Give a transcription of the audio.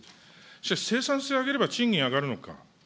しかし生産性を上げれば賃金上がるのか。